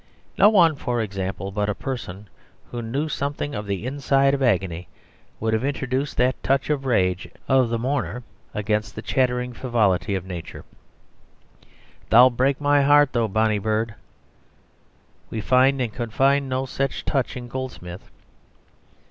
No one, for example, but a person who knew something of the inside of agony would have introduced that touch of the rage of the mourner against the chattering frivolity of nature, "Thou'll break my heart, thou bonny bird." We find and could find no such touch in Goldsmith.